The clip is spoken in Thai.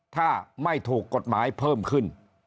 ถ้าไม่ถูกกฎหมายเพิ่มขึ้น